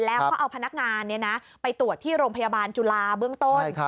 แล้วก็เอาพนักงานไปตรวจที่โรงพยาบาลจุฬาเบื้องต้น